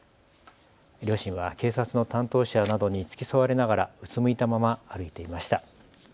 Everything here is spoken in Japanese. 両親は警察の担当者などに付き添われながらうつむいたまま歩いていました。